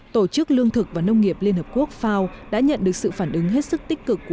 tổ chức lương thực và nông nghiệp liên hợp quốc fao đã nhận được sự phản ứng hết sức tích cực của